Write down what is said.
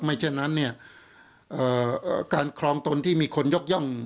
ไม่เช่นนั้นการคลองตนที่มีคนยกย่อง